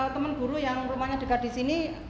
teman guru yang rumahnya dekat di sini